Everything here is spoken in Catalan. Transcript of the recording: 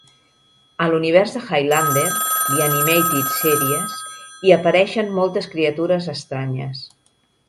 A l"univers de "Highlander: The Animated Series" hi apareixen moltes criatures estranyes.